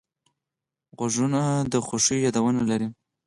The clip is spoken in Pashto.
غوږونه د خوښیو یادونه لري